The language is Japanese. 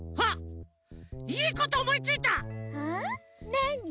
なに？